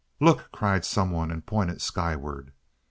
"Look!" cried some one, and pointed skyward.